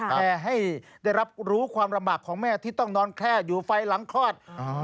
แต่ให้ได้รับรู้ความลำบากของแม่ที่ต้องนอนแค่อยู่ไฟหลังคลอด